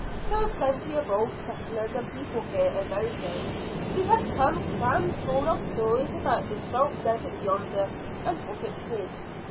There were plenty of old settlers and people here in those days, who had come cram full of stories about the salt desert yonder and what it hid.